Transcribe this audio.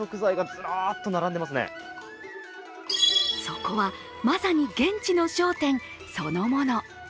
そこはまさに現地の商店そのもの。